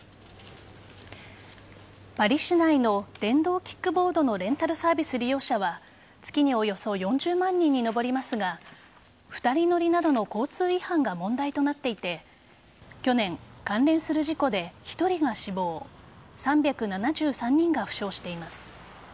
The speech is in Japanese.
パリ市内の電動キックボードのレンタルサービス利用者は月におよそ４０万人に上りますが２人乗りなどの交通違反が問題となっていて去年、関連する事故で１人が死亡３７３人が負傷しています。